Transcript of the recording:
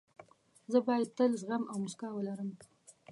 زه باید تل زغم او موسکا ولرم.